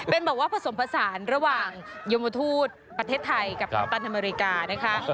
เป็นบอกว่าผสมผสานระหว่างยมทูตประเทศไทยกับกัปตันอเมริกานะคะ